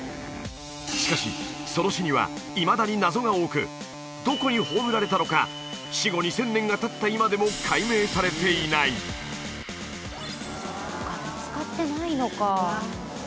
しかしその死にはいまだに謎が多くどこに葬られたのか死後２０００年がたった今でも解明されていないそっか見つかってないのか